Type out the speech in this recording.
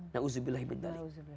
nauzubillah bint ali